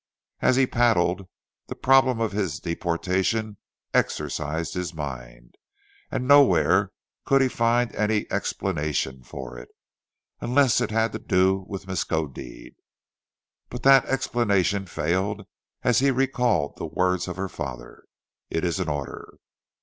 As he paddled, the problem of his deportation exercised his mind; and nowhere could he find any explanation of it, unless it had to do with Miskodeed. But that explanation failed as he recalled the words of her father: "It is an order."